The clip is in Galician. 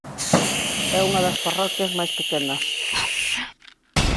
É unha das parroquias máis pequenas.